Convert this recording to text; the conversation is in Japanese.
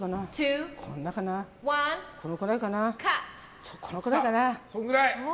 このくらいかな。